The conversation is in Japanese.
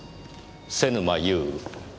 瀬沼優。